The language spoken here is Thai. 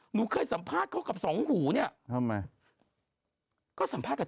หนูเคยสัมภาษณ์เขากับ๒หูเนี่ยะ